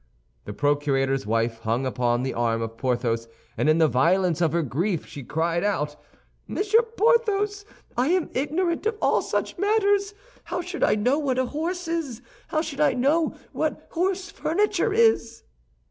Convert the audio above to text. The procurator's wife hung upon the arm of Porthos, and in the violence of her grief she cried out, "Monsieur Porthos, I am ignorant of all such matters! How should I know what a horse is? How should I know what horse furniture is?"